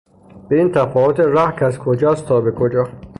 ببین تفاوت ره کز کجاست تا به کجا